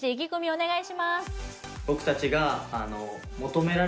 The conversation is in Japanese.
お願いします